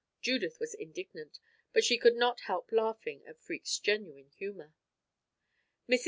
Judith was indignant, but she could not help laughing at Freke's genuine humor. Mrs.